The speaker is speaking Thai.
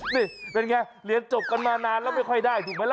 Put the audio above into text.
นี่เป็นไงเรียนจบกันมานานแล้วไม่ค่อยได้ถูกไหมล่ะ